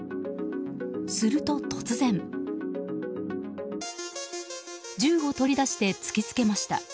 すると突然、銃を取り出して突きつけました。